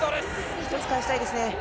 １つ返したいですね。